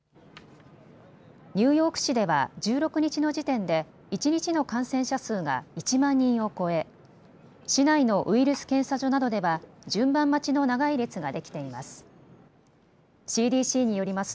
ニューヨーク市では１６日の時点で一日の感染者数が１万人を超え市内のウイルス検査所などでは順番待ちの長い列ができています。